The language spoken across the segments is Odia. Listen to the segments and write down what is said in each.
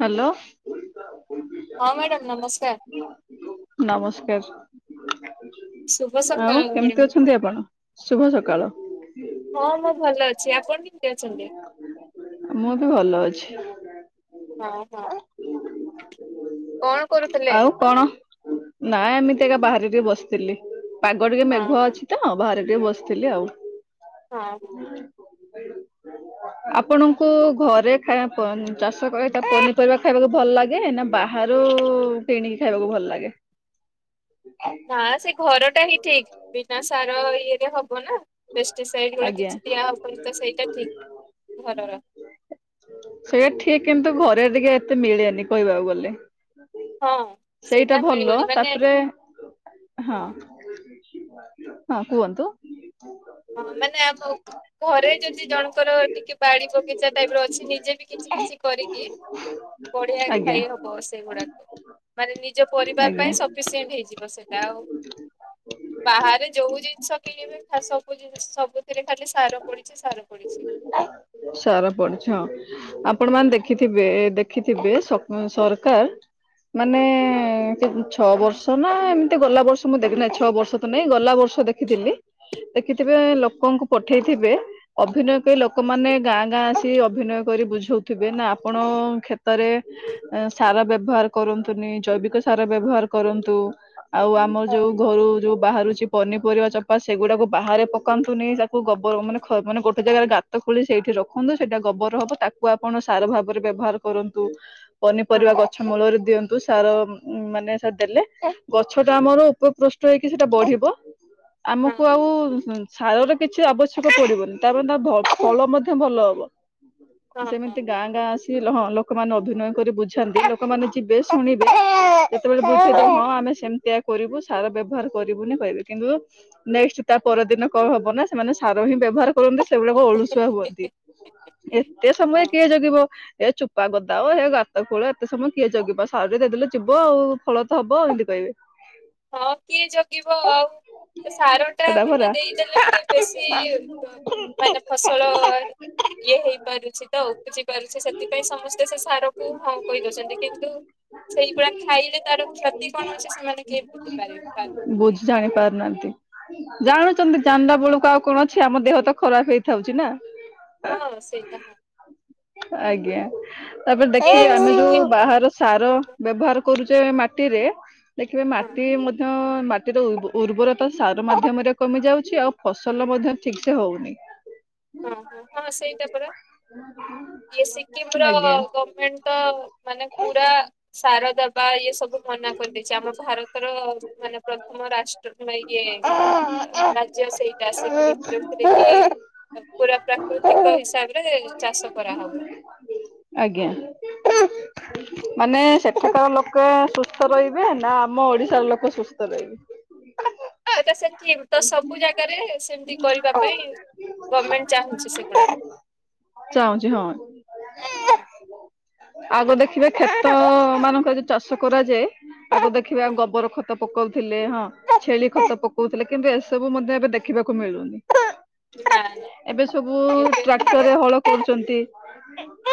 ହ୍ୟାଲୋ ହଁ ମ୍ୟାଡ଼ାମ୍ ନମସ୍କାର। ନମସ୍କାର ଶୁଭ ସକାଳ ଆଉ କେମିତି ମ୍ୟାଡ଼ାମ। ଅଛନ୍ତି ଆପଣ? ଶୁଭ ସକାଳ। ହଁ ମୁଁ ଭଲ ଅଛି ଆପଣ କେମିତି ଅଛନ୍ତି? ମୁଁ ବି ଭଲ ଅଛି। ହଁ, ହଁ, କଣ କରୁଥିଲେ? ଆଉ କଣ ନାଇଁ ଏମିତି ଏକା ବାହାରେ ଟିକେ ବସିଥିଲି ପାଗ ଟିକେ ହଁ ମେଘୁଆ ହଁ ଅଛି। ତ ବାହାରେ ଟିକେ ବସିଥିଲି ଆଉ ହଁ। [unintelligible] ଆପଣଙ୍କୁ ଘରେ ଚାଷ କ ଏଟା ପନିପରିବା ଖାଇବାକୁ ଭଲ ଲାଗେ ନା ବାହାରୁ କିଣିକି ଖାଇବାକୁ ଭଲ ଲାଗେ। ନା ସେ ଘରଟା ହିଁ ଠିକ ବିନା ସାର ଇଏରେ ହବ ନା। ପେଷ୍ଟିସାଇଡ ଗୁଡା ଆଜ୍ଞା କିଛି ଦିଆ ହବନି ତ ସେଇଟା ଠିକ ଘରର। ସେଇଆା ଠିକ କିନ୍ତୁ ଘରେ ଟିକେ ଏତେ ମିଳେନି କହିବାକୁ ଗଲେ। ହଁ। ସେଇଟା ଭଲ ମିଳିବନି ମାନେ ତାପରେ ହଁ। ହଁ କୁହନ୍ତୁ। ହୁ [unintelligible] ହଁ ମାନେ ଆମ ଘରେ ଯଦି ଜଣଙ୍କର ଟିକେ ବାଡ଼ି ବଗିଚା ଟାଇପ୍ ର ଅଛି ନିଜେ ବି କିଛି କିଛି କରିକି ବଢିଆ ଆଜ୍ଞା ଖାଇ ହବ ସେଗୁଡାକୁ ମାନେ ନିଜ ପରିବାର ଆଜ୍ଞା। ପାଇଁ ସବୁ ସଫିସେଣ୍ଟ ହେଇଯିବ ସେଇଟା ଆଉ ବାହାରେ ଯୋଉ ଜିନିଷ କିଣିବେ ଫା ସ ସବୁ ଜିନ୍ ସବୁଥିରେ ଖାଲି ସାର ପଡିଚି ସାର ପଡିଚି। ସାର ପଡୁଛି ହଁ ଆପଣ ମାନେ ଦେଖିଥିବେ ଦେଖିଥିବେ ସରକାର ମାନେ ହଁ କେ ଛଅ ବର୍ଷ ସନା ଏମିତି ଗଲା ବର୍ଷ ମୁଁ ଦେଖିନାହିଁ ଛଅ ବର୍ଷ ତ ନାଇଁ ଗଲା ବର୍ଷ ଦେଖିଥିଲି। ଦେଖିଥିବେ ଲୋକଙ୍କୁ ପଠେଇଥିବେ ଅଭିନୟ ଏ ଲୋକମାନେ ଗାଁ ଗାଁ ଆସି ଅଭିନୟ କରି ବୁଝଉଥିବେ ନା ଆପଣ ଖେ ତ ରେ ସାର ବ୍ୟବହାର କରନ୍ତୁନି ଜୈବିକ ସାର ବ୍ୟବହାର କରନ୍ତୁ। ଆଉ ଆମର ହଁ ଯୋଉ ଘରୁ ଯୋଉ ବାହାରୁଛି ପନିପରିବା ବା ସେଗୁଡାକୁ ବାହାରେ ପକାନ୍ତୁନି ତାକୁ ଗୋବର ମାନେ ମାନ ଗୋ ଜାଗାରେ ଗାତ ଖୋଳି ସେଇଠି ରଖନ୍ତୁ ସେଇଟା ଗୋବର ହବ ତାକୁ ଆପଣ ସାର ଭାବରେ ବ୍ୟବହାର କରନ୍ତୁ। ହଁ ପନିପରିବା ହଁ ଗଛ ମୂଳରେ ଦିଅନ୍ତୁ। ସାର ମାନେ ସାର ଦେଲେ ଗଛ ଟା ଆମର ଉପକୃଷ୍ଟ ହେଇକି ସେଟା ବଢିବ। ହଁ ଆମକୁ ଆଉ ସାରର କିଛି ଆବଶ୍ୟକ ପଡିବନି ତାପ ତା ଭ ଫଳ ମଧ୍ୟ ଭଲ ହବ ହଁ ହଁ ସେମିତି ଗାଁ ଗାଁ ଆସ ସ ହଁ ଲୋକମାନେ ଅଭିନୟ କରି ବୁଝାନ୍ତି ଲୋକମାନେ ଯିବେ ଶୁଣିବେ। ଯେତେବେଳେ ବୁଝେ ଯେ ହଁ ଆମେ ସେମିତିଆ କରିବୁ ସାର ବ୍ୟବହାର କରିବୁନି କହିବେ କିନ୍ତୁ ନେକ୍ସଟ ତା ପରଦିନ କଣ ହବ ନା ସେମାନେ ସାର ହିଁ ବ୍ୟବହାର କରନ୍ତି ସେଗୁଡାକ ଅଳୁସୁଆ ହୁଅନ୍ତି ଏତେ ସମୟ କିଏ ହଁ ଜଗିବ। ଏ ଚୋପା ଗଦାଅ ଏ ଗାତ ଖୋଳ ଏତେ ସମୟ କିଏ ଜଗିବ ସାରଟିକେ ଦେଇଦେଲେ ଯିବ ଆଉ ଫଳ ତ ହବ ଏମିତି କହିବେ। [inaudible] ହଁ କିଏ ଜଗିବ ଆଉ। ସେ ସାର ଟା ସେଟା ମାନେ ପରା ଦେଇଦେଲେ ଟିକେ ବେଶୀ ମାନେ ଫସଲ [inaudible] ଇଏ ହେଇପାରୁଛି ତ ଉପୁଜି ପାରୁଛି ସେଥିପାଇଁ ସମସ୍ତେ ସେ ସାରକୁ ହଁ କହିଦଉଛନ୍ତି କିନ୍ତୁ ସେଇଗୁଡା ଖାଇଲେ ତାର କ୍ଷତି କଣ ହଉଛି ସେମାନେ କେ ବୁଝ ଜାଣିପାରୁନାହାନ୍ତି ଜାଣୁଛନ୍ତି ଜାନଲା ବେଳକୁ ଆଉ କଣ ଅଛି ଆମ ଦେହ ତ ଖରାପ ହେଇ ହଉଛି ନା। ହଁ ସେଇଟା ଆଜ୍ଞା ତାପରେ ଇଏ ଦେଖିବେ ଆମେ ଯୋଉ ସିକିମ ବାହାର ସାର ବ୍ୟବହାର କରୁଛେ ମାଟିରେ ଦେଖିବେ ହଁ। ମାଟି ମଧ୍ୟ ଟିର ଉର୍ବରତା ସାର ମାଧ୍ୟମରେ କମି ଯାଉଛି ଆଉ ଫସଲ ମଧ୍ୟ ଠିକ ସେ ହଉନି। ହଁ ହଁ ହଁ ସେଇଟା ପରା ଇଏ ସିକିମ ର ଆଜ୍ଞା ଗମେଣ୍ଟ ତ ମାନେ ପୁରା ସାର ଦବା ଇଏ ସବୁ ମନା କରିଦେଇଛି ଆମ ଭାରତର ମାନେ ପ୍ରଥମ ରାଷ୍ଟ୍ର ଇଏ ରାଜ୍ୟ ସେଇଟା ସେ [unintelligible] ଜଉଥିରେ କି ପୁରା ପ୍ରାକୃତିକ ହିସାବରେ ଚାଷ କରାହବ। ଆଜ୍ଞା ମାନେ ସେଠକ ଲୋକ ଲୋକ ସୁସ୍ଥ ରହିବେ ନା ଆମ ଓଡିଶାର ଲୋକ ସୁସ୍ଥ ରହିବେ। ସେଟା ସେଠି ତ ସବୁ ଜାଗାରେ ସେମିତି କରିବା ପାଇଁ ଗମେଣ୍ଟ ଚାହୁଁଛି ସେଗୁଡ଼ା। ଚାହୁଁଛି ହଁ। ଆଗ ଦେଖିବେ କ୍ଷେତ ମାନଙ୍କରେ ଯ ଚାଷ କରାଯାଏ ଆଗ ଦେଖିବେ ହଁ ଗୋବର ଖତ ପକଉଥିଲେ ହଁ ଛେଳି ଖତ ପକଉଥିଲେ କିନ୍ତୁ ଏସବୁ ମଧ୍ୟ ଏବେ ଦେଖିବାକୁ ମିଳୁନି। ନା ନା ଏବେ ସବୁ ଏବେ ଆଉ ଟ୍ରାକ୍ଟରରେ ହଳ କରୁଛନ୍ତି।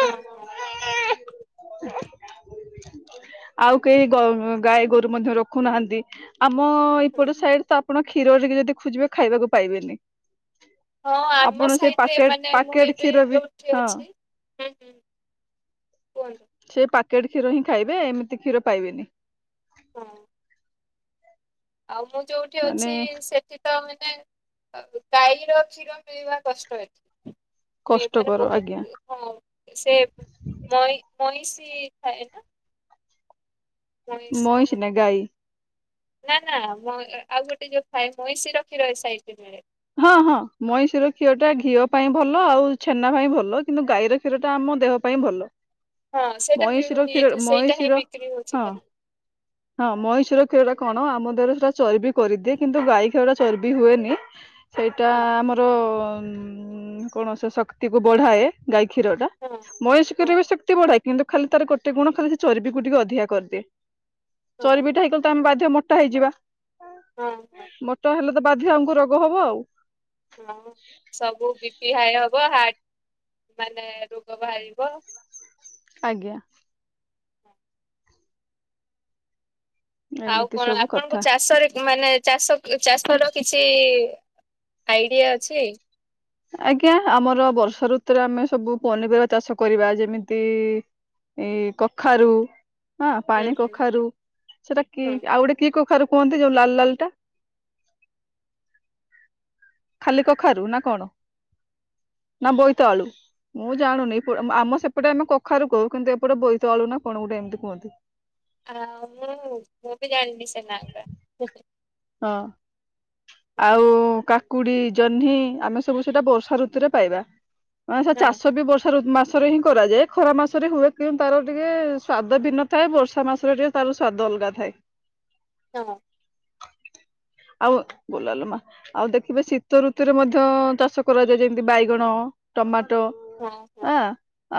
ହଁ ହଁ ଆଉ କେ ଗାଈ ଗୋରୁ ମଧ୍ୟ ରଖୁନାହାନ୍ତି। ଆମ ହଁ ଏଇପଟ ସାଇଡ ତ ଆପଣ କ୍ଷୀର ଟିକେ ଯଦି ଖୋଜିବେ ଖାଇବାକୁ ପାଇବେନି। ହଁ ଆମ ଆପଣ ସେ ସାଇଡ଼ରେ ପାକେଟ ମାନେ ମୁଁ ପାକେଟ ଏବେ କ୍ଷୀର ବି ଯୋଉଠି ହଁ ଅଛି ହଁ। କୁହନ୍ତୁ। ସେ ପାକେଟ କ୍ଷୀର ହିଁ ଖାଇବେ ଏମତି କ୍ଷୀର ପାଇବେନି। ହଁ। ଆଉ ମୁଁ ଯୋଉଠି ମାନେ ଅଛି ସେ ସେ ତ ମାନେ ଗାଈର କ୍ଷୀର ପିଇବା କଷ୍ଟ ଏଠି। ଏମାନେ କଷ୍ଟକର ଆଜ୍ଞା ବହୁତ ହଁ ସେ ମଇଷି ମଇଁଷି ଥାଏ ନା। ମଇଁଷି ର ମ୍। ନା ଗାଈ। ନା ନା ମ ଆଉ ଗୋଟେ ଯୋଉ ଥାଏ ମଇଁଷିର କ୍ଷୀର ଏ ସାଇଟ୍ ରେ ମିଳେ। ହଁ ହଁ ମଇଁଷିର କ୍ଷୀରଟା ଘିଅ ପାଇଁ ଭଲ ଆଉ ଛେନା ପାଇଁ ଭଲ କିନ୍ତୁ ଗାଈର କ୍ଷୀର ଟା ଆମ ଦେହ ପାଇଁ ଭଲ ହଁ ସେଇଟା ମଇଁଷିର ମିଳୁନି କ୍ଷୀର ଏଠି ସେଇଟା ହିଁ ମଇଁଷିର ବିକ୍ରି ହଉଛି ହଁ। ଖାଲି ହଁ ମଇଁଶି ର କ୍ଷୀର ଟା କଣ ଆମ ଦେହରେ ସେଟା ଚର୍ବି କରିଦିଏ କିନ୍ତୁ ଗାଈ ଖିର ଟା ଚର୍ବି ହୁଏନି। ସେଇଟା ହଁ ଆମର ଉ କୌଣସି ଶକ୍ତି କୁ ବଢାଏ। ଗାଈ କ୍ଷୀର ଟା ହଁ ମଇଁଷ ହଁ କ୍ଷୀର ବି ଶକ୍ତି ବଢ଼ାଏ। କିନ୍ତୁ ଖାଲି ତାର ଗୋଟେ ଗୁଣ ଖାଲି ସେ ଚରିବି କକୁ ଟିକେ ଅଧିକା କରିଦିଏ, ହଁ ଚରିବିଟା ହେଇ କଲେ ତ ଆମେ ବାଧ୍ୟ ମୋ ମୋଟା ହେଇଯିବା ହଁ ମୋଟା ହେଲେ ତ ବାଧ୍ୟ ଆମକୁ ରୋଗ ହବ ଆଉ। ହଁ ସବୁ ବି ପି ହାଇ ହବ ହାର୍ଟ ମାନେ ରୋଗ ବାହାରିବ। ଆଜ୍ଞା। ଆଉ ଏମିତି କଣ ସବୁ ଆପଣଙ୍କୁ କଥା ଚାଷରେ ମାନେ ଚାଷ ଚାଷ ଫ କିଛି ଆଇଡିଆ ଅଛି? ଆଜ୍ଞା ଆମର ବର୍ଷା ଋତୁରେ ଆମେ ସବୁ ପନିପରିବା ଚାଷ କରିବା ଯେମିତି ଏଇ କଖାରୁ। ହଁ ହୁଁ ପାଣି ହୁଁ କଖାରୁ, ସେଟା କି ହଁ। ଆଉ ଗୋଟେ କି କଖାରୁ କୁହନ୍ତି ଯୋଉ ଲାଲ ଲାଲ ଟା? ଖାଲି କଖାରୁ ନା କଣ ନା ବୋଇତାଳୁ? ମୁଁ ଜାଣୁନି ଆମ ସେପଟେ ଆମେ କଖାରୁ କହୁ କିନ୍ତୁ ଏପଟେ ବୋଇତାଳୁ ନା କଣ ଗୋଟେ ଏମିତି କୁହନ୍ତି। ଆଁ ମୁଁ ମୁଁ ବି ଜାଣିନି ସେନା ଟା। ହଁ। ଆଉ କାକୁଡ଼ି, ଜହ୍ନି ଆମେ ସବୁ ସେଇଟା ବର୍ଷା ଋତୁରେ ପାଇବା। ମାନେ ସେ ହଁ ଚାଷ ବି ବର୍ଷା ମାସ ହିଁ କରାଯାଏ ଖରା ମାସରେ ହୁଏ କିନ୍ତୁ ତାର ଟିକେ ଶ୍ୱାଦ ଭିନ୍ନଥାଏ ବର୍ଷା ମାସରେ ଟିକେ ତାର ସ୍ୱାଦ ଅଲଗା ଥାଏ। ହଁ। ଆଉ ବୁଲଲୁ ମା। ଆଉ ଦେଖିବେ ଶୀତ ଋତୁରେ ମଧ୍ୟ ଚାଷ କରାଯାଏ ଯେମିତି ବାଇଗଣ, ଟମାଟୋ। ହଁ ହଁ। ହଁ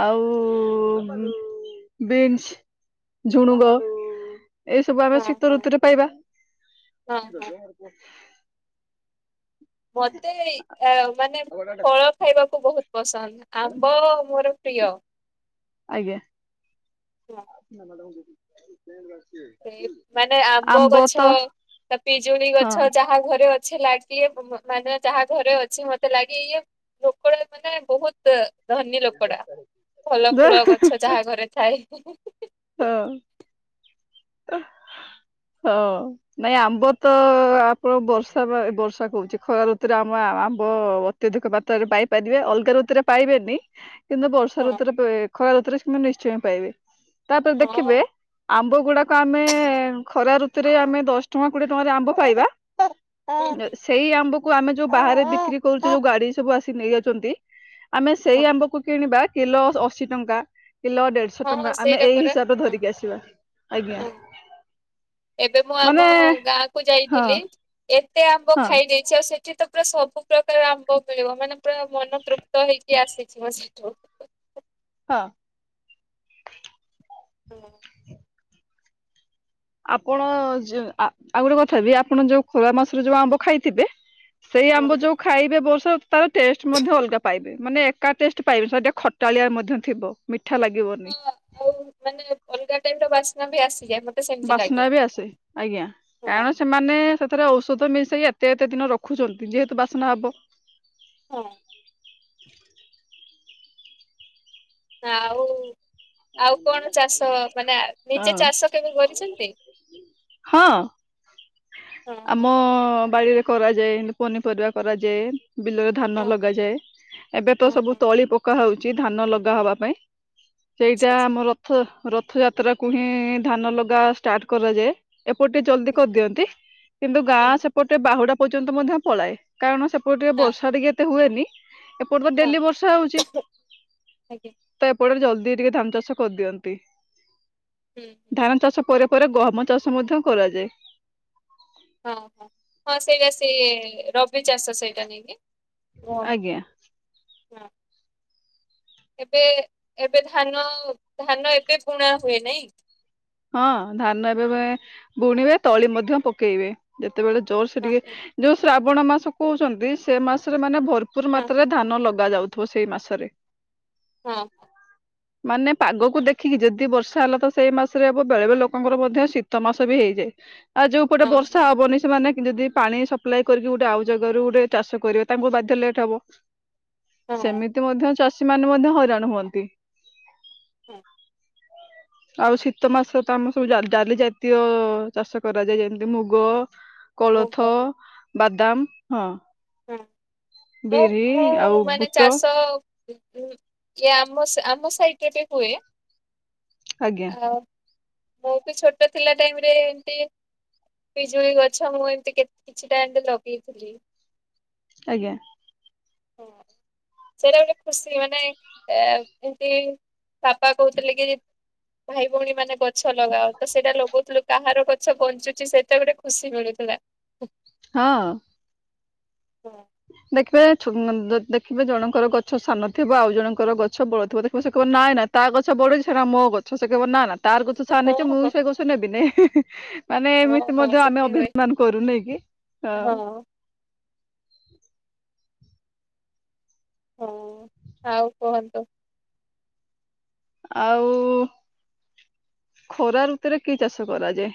ଆଉ ଉଁ ବିନ୍ସ। ଝୁଣୁଗ। ଏଇ ସବୁ ଆମେ ହଁ ଶୀତ ହଁ ଋତୁରେ ପାଇବା। ହଁ ହଁ। ମତେ ଏ ମାନେ ଫଳ ଖାଇବାକୁ ବହୁତ ପସନ୍ଦ ଆମ୍ବ ମୋର ପ୍ରିୟ। ଆଜ୍ଞା। ହଁ। ନା ମ୍ୟାଡ଼ାମ ଯି ଏ ମାନେ ଆମ୍ବ ଗଛ, ପିଜୁଳି ହଁ ଗଛ ଯାହା ଘରେ ଅ ଅଛି ଲାଗେ ମାନେ ଯାହା ଘରେ ଅଛି ମତେ ଲାଗେ ଇଏ ଲୋକଳ ମାନେ ବହୁତ ଧନୀ ଲୋକଡା ଭଲ ଯେ ଫୁଳ ଗଛ ଯାହା ଘରେ ଥାଏ। ହଁ ହୁଁ ହଁ। ନାଇଁ ଆମ୍ବ ତ ଆପଣ ବର୍ଷା ବା ବର୍ଷା କହୁଛି ଖରା ଋତୁରେ ଆମ ଆମ୍ବ ଅତ୍ୟଧିକ ମାତ୍ରାରେ ପାଇପାରିବେ ଅଲଗା ଋତୁରେ ପାଇବେନି। କିନ୍ତୁ ବର୍ଷା ହଁ ଋତୁରେ ପ୍ର ଖରା ଋତୁରେ କିନ୍ତୁ ନିଶ୍ଚୟ ହିଁ ପାଇବେ ତାପରେ ହଁ ଦେଖିବେ। ଆମ୍ବ ଗୁଡାକ ଆମେ ଖରା ଋତୁରେ ଆମେ ଦଶ ଟଙ୍କା କୋଡିଏ ଟଙ୍କାରେ ଆମ୍ବ ପାଇବା। ହୁଁ ହୁଁ ସେଇ ଆମ୍ବକୁ କୁ ଆମେ ଯୋଉ ବାହାରେ ବିକ୍ରି କରୁଛୁ ଯୋଉ ଗାଡି ସବୁ ଆସି ନେଇ ଅଛନ୍ତି ଆମେ ହଁ ସେଇ ଆମ୍ବକୁ କିଣିବା କିଲୋ ଅଶୀ ଟଙ୍କା କିଲୋ ଦେଢ଼ଶହ ହଁ ଟଙ୍କା। ଆମେ ସେଇଟା ଏଇ ପରା ହିସାବରେ ହଁ ଧରିକି ଆସିବା ଆଜ୍ଞା। ହଁ ଏବେ ମୁଁ ମାନେ ଆମ ଗାଁ କୁ ହଁ ଯାଇଥିଲି ଏତେ ଆମ୍ବ ହଁ ଖାଇ ଦେଇଛି ଆଉ ସେଠି ତ ପୁରା ସବୁ ପ୍ରକାର ଆମ୍ଭ ମିଳିବ ମାନେ ପୁରା ମନ ତୃପ୍ତ ହେଇକି ଆସିଯିବ। ହ ହଁ। ହଁ। ଆପଣ ଆଉ ଗୋଟେ କଥା ହେବି ଆପଣ ଯୋଉ ଖରା ମାସରେ ଯୋଉ ଆମ୍ବ ଖାଇଥିବେ ସେଇ ହଁ ଆମ୍ବ ହଁ ଯୋଉ ଖାଇବେ ବର୍ଷା ରୁତୁ ତାର ଟେଷ୍ଟ ମଧ୍ୟ ଅଲଗା ପାଇବେ ମାନେ ଏକା ଟେଷ୍ଟ ପାଇବେ ସେ ଟିକେ ଖଟାଳିଆ ମଧ୍ୟ ଥିବ ମିଠା ଲାଗିବନି। ଆଉ ମାନେ ଅଲଗା ଟାଇପ୍ର ବାସ୍ନା ବି ଆସିଯାଏ ମତେ ସେମତି ବାସ୍ନା ଲାଗେ। ବି ଆସେ ଆଜ୍ଞା କାରଣ ସେମାନେ ସେଥିରେ ଔଷଧ ମିଶାଇ ଏତେ ଏତେ ଦିନ ରଖୁଛନ୍ତି ଯେହେତୁ ବାସ୍ନା ହେବ ହଁ। ଆଉ। ଆଉ କଣ ଚାଷ ମାନେ ନିଜେ ଚାଷ କେବେ ହଁ କରିଛନ୍ତି ହଁ। ହଁ ହଁ ଆମ ବାଡିରେ କରାଯାଏ ପନିପରିବା କରାଯାଏ। ବିଲରେ ଧାନ ହଁ ହଁ ଲଗାଯାଏ ଏବେ ତ ହଁ ସବୁ ହଁ ତଳି ପକା ହଉଛି ଧାନ ଲଗା ହବା ପାଇଁ। ସେଇଟା ଆଚ୍ଛା ଆଚ୍ଛା ଆମ ରଥ ରଥଯାତ୍ରାକୁ ହିଁ ଧାନ ଲଗା ଷ୍ଟାର୍ଟ କରାଯାଏ। ଏପଟ ଟେ ଜଲ୍ଦି କରିଦିଅନ୍ତି କିନ୍ତୁ ହୁଁ ଗାଁ ସେପଟେ ବାହୁଡ଼ା ପର୍ଯ୍ୟନ୍ତ ମଧ୍ୟ ପଳାଏ କାରଣ ସେପଟେ ଉ ଟିକେ ହଁ ବର୍ଷା ଟିକେ ଏତ ହୁଏନି। ଏପଟ ତ ହଁ ଡେଲି ବର୍ଷା ହଉଛି ଆଜ୍ଞା ତ ଏପଟରେ ଜଲ୍ଦି। ଟିକେ ଧାନ ଚାଷ କରିଦିଅନ୍ତି। ହୁଁ। ଧାନ ଚାଷ ପରେ ପରେ ଗହମ ଚାଷ ମଧ୍ୟ କରାଯାଏ। ହଁ ହଁ ହଁ ସେଇଟା ସେ ରବି ଚାଷ ସେଇଟା ନେଇକି ହୁଁ। ଆଜ୍ଞା ଏବେ ଏବେ ଧାନ ଧାନ ଏବେ ବୁଣା ହୁଏନି ହଁ ଧାନ ଏବେ ବୁଣିବେ ତଳି ମଧ୍ୟ ପକେଇବେ। ଯେତେବେଳେ ଜୋର ସେ ହଁ ଟିକେ ଯୋଉ ଶ୍ରାବଣ ମାସ କହୁଛନ୍ତି ସେ ମାସରେ ମାନେ ଭରପୁର ଭରପୁର ହଁ ମାତ୍ରାରେ ଧାନ ଲଗା ଯାଉଥିବ ସେଇ ମାସରେ। ହଁ। ମାନେ ପାଗକୁ ଦେଖିକି ଯଦି ବର୍ଷା ହେଲା ତ ସେଇ ମାସ ରେ ହବ ବେଳେ ବେଳେ ଲୋକଙ୍କର ମଧ୍ୟ ଶୀତ ମାସ ବି ହେଇଯାଏ ଆଉ ଯୋଉପଟେ ହଁ ବର୍ଷା ହଁ ହବନି ସେମାନେ ଯଦି ପାଣି ସପ୍ଲାଏ କରିକି ଗୋଟେ ଆଉ ଜାଗାରୁ ଗୋଟେ ଚାଷ କରିବ ତାଙ୍କୁ ବାଧ୍ୟ ଲେଟ୍ ହବ। ହଁ ହଁ ହଁ ସେମିତି ମଧ୍ୟ ଚାଷୀ ମାନ ମଧ୍ୟ ହଇରାଣ ହୁଅନ୍ତି। ହୁଁ। ଆଉ ଶୀତ ସୀତ ମାସ ତ ଆମର ସବୁ ଡାଲି ଜାତୀୟ ଚାଷ କରାଯାଏ ଯେମିତି ମୁଗ କୋଳଥ ମୁଗ ହଁ। ବାଦାମ ହଁ। ହଁ ବିରି ମୁଁ ମୁଁ ଆଉ ମାନେ ବୁଟ ଚାଷ ଇଏ ଆମ ଆମ ସାଇଟ୍ ରେ ବି ହୁଏ। ଆଜ୍ଞା। ଆଉ ମୋ ବି ଛୋଟ ଥିଲା ଟାଇମ୍ ରେ ଏମ୍ତି। ପିଜୁଳି ଗଛ ମୁଁ ଏମତି କେ କିଛିଟା ଏବେ ଲଗେଇଥିଲି। ଆଜ୍ଞା। ? ହଁ ସେଇଟା ଗୋଟେ ଖୁସି ମାନେ ଏ ଏମତି ବାପା କହୁଥିଲେ କି ଭାଇ ଭଉଣୀ ମାନେ କ ଗଛ ଲଗାଅ ତ ସେଇଟା ଲଗଉଥିଲୁ କାହାର ଗଛ ବଞ୍ଚୁଛି ସେଇଟା ଗୋଟେ ଖୁସି ମିଳୁଥିଲା। ହଁ। ହୁଁ। ଦେଖିବେ [unintelligible] ଦେଖିବେ ଜଣଙ୍କର ଗଛ ସାନ ଥିବ ଆଉ ଜଣଙ୍କର ଗଛ ବଡ ଥିବ ଦେଖିବ ସିଏ କହିବ ନାଇଁ ନାଇଁ ତା ଗଛ ବଢୁଛି ସେଟା ମୋ ଗଛ ସେ କହିବ ନା ନା ତାର ଗଛ ସାନ ହେଇଥିବା ମୁଁ ହଁ ସେ ଗଛ ନେବିନି। ମାନେ ହଁ ଏମିତି ହଁ ମଧ୍ୟ ଆମେ ସେମିତି ହୁଏ ଅଭିମାନ କରୁ ନିକି ହଁ। ? ହଁ ଆଉ କୁହନ୍ତୁ। ଆଉ ଖରା ଋତୁରେ କି ଚାଷ କରାଯାଏ?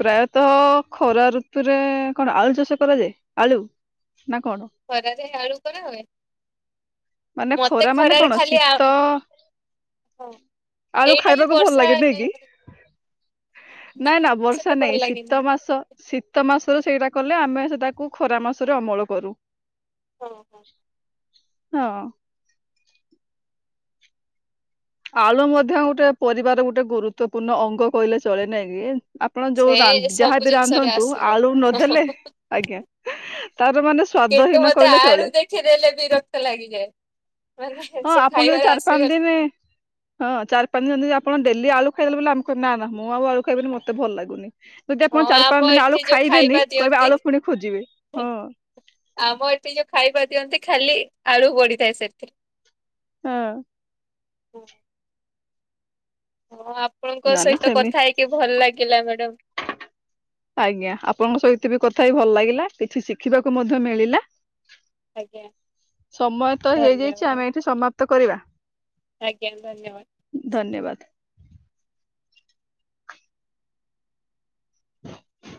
ପ୍ରାୟତଃ ଖରା ଋତୁରେ କଣ ଆଳୁ ଚାଷ କରାଯାଏ ଆଳୁ ନା କଣ? ଖରାରେ ଆଳୁ କରା ହୁଏ? ମାନେ ମତେ ଖରା ମାନେ ଖରାରେ କଣ ଖାଲି ଆ ଶୀତ ହଁ ଆଳୁ ଏଇଟା ହିଁ ଖାଇବାକୁ ଭଲ ବର୍ଷା ଲାଗେ ନଁ କି? ଟାଇମରେ ନାଇଁ ନା ବର୍ଷା ସେତେ ଭଲ ନାଇଁ ଲାଗେନି। ଶୀତ ମାସ, ଶୀତ ମାସରେ ସେଇଟା କଲେ ଆମେ ସେଟାକୁ ଖରା ମାସରେ ଅମଳ କରୁ। ହଁ ହଁ। ହଁ। ଆଳୁ ମଧ୍ୟ ଗୋଟେ ପରିବାର ଗୋଟେ ଗୁରୁତ୍ୱପୂର୍ଣ୍ଣ ଅଙ୍ଗ କହିଲେ ଚଳେ ନାଇଁ କି? ଆପଣ ଯୋଉ ସେ ରା ସବୁ ଯାହାବି ଜିନିଷରେ ରାନ୍ଧନ୍ତୁ ଆସିବ ଆଳୁ ନଦେଲେ, ଆଜ୍ଞା ତାର ମାନେ କିନ୍ତୁ ସ୍ଵାଦହୀନ ମତେ କହିଲେ ଆଳୁ ଚଳେ ଦେଖିଦେଲେ ବିରକ୍ତ ଲାଗିଯାଏ। ମାନେ ହଁ ସେ ଆପଣ ଯଦି ଖାଇବାରେ ଚାରି ପାଞ୍ଚ ଆସିଗଲେ। ଦିନ ହଁ ଚାରି ପାଞ୍ଚ ଦିନ ଯଦି ଆପଣ ଡେଲି ଆଳୁ ଖାଇଦେଲେ ବୋଲି ଆମେ କହିବେ ନା ନା ମୁଁ ଆଉ ଆଳୁ ଖାଇବିନି ମତେ ଭଲ ଲାଗୁନି। ଯଦି ହଁ ଆପଣ ଚାରି ପାଞ୍ଚ ଆମ ଦିନ ଆଳୁ ଏଠି ଯୋଉ ଖାଇବେନି ଖାଇବା କହିବେ ଦିଅନ୍ତି ଆଳୁ ପୁଣି ଖୋଜିବେ ହଁ। ଆମ ଏଠି ଯୋଉ ଖାଇବା ଦିଅନ୍ତି ଖାଲି ଆଳୁ ପଡ଼ିଥାଏ ସେଥିରେ। ହଁ। ହଁ ଆପଣଙ୍କ ନା ନା ସହିତ ସେମି କଥା ହେଇକି ଭଲ ଲାଗିଲା ମ୍ୟାଡାମ। ଆଜ୍ଞା। ଆପଣଙ୍କ ସହିତ ବି କଥା ହେଇ ଭଲ ଲାଗିଲା। କିଛି ଶିଖିବାକୁ ମଧ୍ୟ ମିଳିଲା। ଆଜ୍ଞା ସମୟ ତ ହେଇଯାଇଛି ଧନ୍ୟବାଦ ଆମେ ଏଠି ସମାପ୍ତ କରିବା। ଆଜ୍ଞା ଧନ୍ୟବାଦ। ଧନ୍ୟବାଦ।